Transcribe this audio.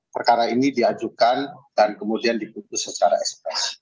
perkara ini diajukan dan kemudian diputus secara ekspres